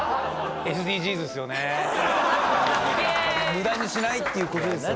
無駄にしないっていう事ですよね。